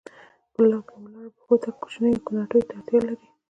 په ولاړو پښو تګ کوچنیو کوناټیو ته اړتیا لرله.